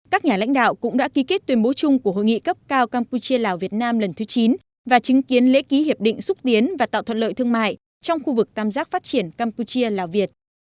các nhà lãnh đạo cũng đã ký kết tuyên bố chung của hội nghị cấp cao campuchia lào việt nam lần thứ chín và chứng kiến lễ ký hiệp định xúc tiến và tạo thuận lợi thương mại trong khu vực tam giác phát triển campuchia lào việt